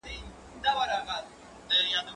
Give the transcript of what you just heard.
زه اجازه لرم چي نان وخورم!